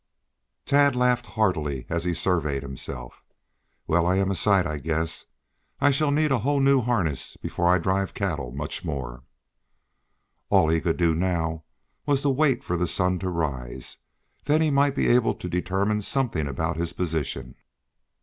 Tad laughed heartily as he surveyed himself. "Well, I am a sight! I guess I shall need a whole new harness before I drive cattle much more." All he could do now was to wait for the sun to rise. Then, he might be able to determine something about his position.